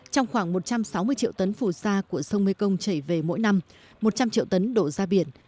trong khoảng một trăm sáu mươi triệu tấn phù sa của sông mê công chảy về mỗi năm một trăm linh triệu tấn đổ ra biển